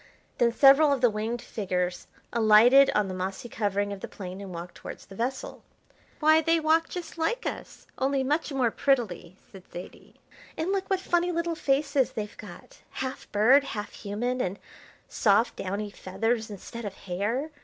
Then several of the winged figures alighted on the mossy covering of the plain and walked towards the vessel. "Why, they walk just like us, only much more prettily!" said Zaidie. "And look what funny little faces they've got! Half bird, half human, and soft, downy feathers instead of hair.